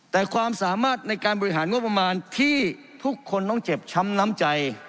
แต่ความสามารถในการบริหารงบประมาณที่ทุกคนต้องเจ็บช้ำน้ำใจ